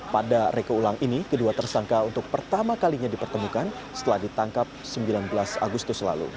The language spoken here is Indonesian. pada reka ulang ini kedua tersangka untuk pertama kalinya dipertemukan setelah ditangkap sembilan belas agustus lalu